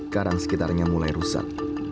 karang sekitarnya mulai rusak